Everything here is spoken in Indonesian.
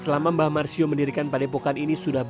selama mbah marsio mendirikan padepokan ini sudah